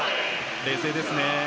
冷静ですね。